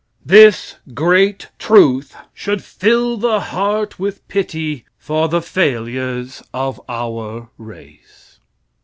This great truth should till the heart with pity for the failures of our race.